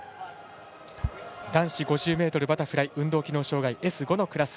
男子５０ｍバタフライ運動機能障がいＳ５のクラス。